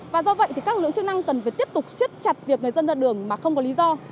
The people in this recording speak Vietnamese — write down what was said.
và do vậy thì các lượng sức năng cần phải tiếp tục siết chặt việc người dân ra đường mà không có lý do